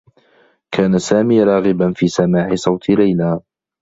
كان سامي راغبا في سماع صوت ليلى.